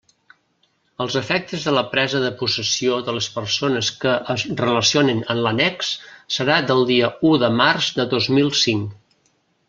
Els efectes de la presa de possessió de les persones que es relacionen en l'annex serà del dia u de març de dos mil cinc.